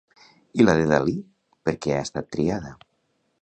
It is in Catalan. I la de Dalí, per què ha estat triada?